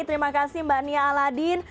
terima kasih mbak nia aladin